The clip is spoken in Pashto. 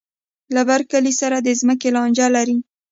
له بر کلي سره د ځمکې لانجه لري.